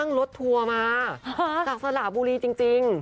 นั่งรถตัวมากับสระบูรีจริง